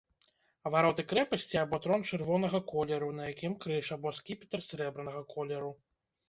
Вароты крэпасці, або трон чырвонага колеру, на якім крыж, або скіпетр срэбнага колеру.